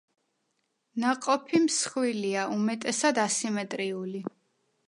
ნაყოფი მსხვილია, უმეტესად ასიმეტრიული.